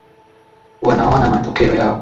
Wanaona matokeo yao.